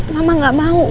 mama gak mau